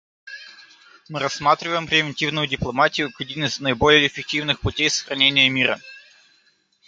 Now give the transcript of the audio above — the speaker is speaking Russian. Мы рассматриваем превентивную дипломатию как один из наиболее эффективных путей сохранения мира.